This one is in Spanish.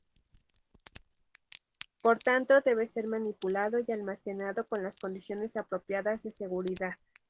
Por tanto, debe ser manipulado y almacenado con las condiciones apropiadas de seguridad.